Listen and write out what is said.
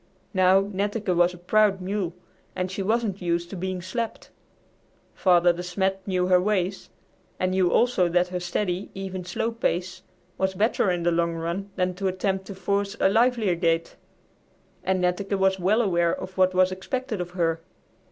Now, Netteke was a proud mule and she wasn't used to being slapped. Father De Smet knew her ways, and knew also that her steady, even, slow pace was better in the long run than to attempt to force a livelier gait, and Netteke was well aware of what was expected of her.